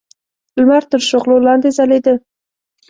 د لمر تر شغلو لاندې ځلېده.